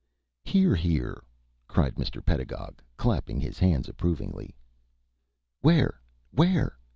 "Hear! hear!" cried Mr. Pedagog, clapping his hands approvingly. "Where? where?"